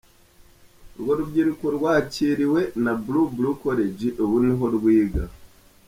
Urwo rubyiruko rwakiriwe na Buru Buru College ubu niho rwiga.